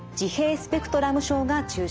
スペクトラム症が中心です。